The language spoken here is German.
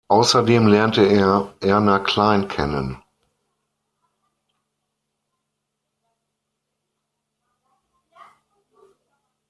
Außerdem lernte er Erna Klein kennen.